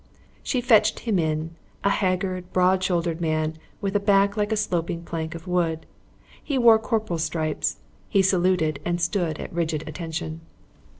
She fetched him in, a haggard, broad shouldered man with a back like a sloping plank of wood. He wore corporal's stripes. He saluted and stood at rigid attention.